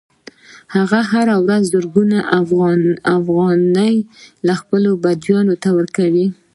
هغه هره ورځ زرګونه افغانۍ خپلو بچیانو ته ورکوي